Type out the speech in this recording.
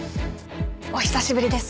お久しぶりです